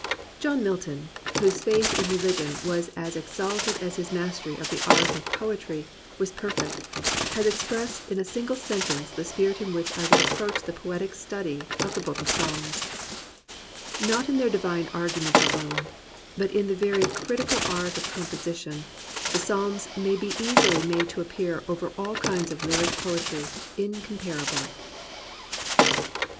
John Milton, whose faith in reUgion was as ex alted as his mastery of the art of poetry was per fect, has expressed in a single sentence the spirit in which I would approach the poetic study of the Book of Psalms: "Not in their divine arguments alone, but in the very critical art of composition, the Psalms may be easily made to appear over all kinds of lyric poetry incomparable."